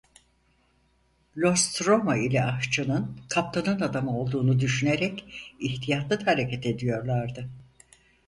Lostromo ile ahçının, kaptanın adamı olduğunu düşünerek ihtiyatlı hareket ediyorlardı.